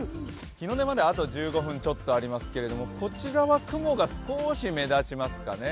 日の出まであと１５分ちょっとありますけれども、こちらは雲が少し目立ちますかね。